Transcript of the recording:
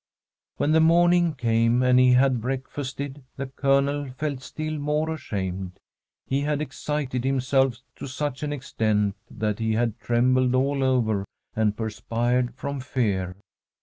When the morning came, and he had break fasted, the Colonel felt still more ashamed. He had excited himself to such an extent that he had trembled all over and perspired from fear.